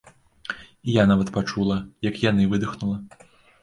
І я нават пачула, як яны выдыхнула.